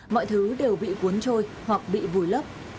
mọi thứ đều bị cuốn trôi hoặc bị vùi lấp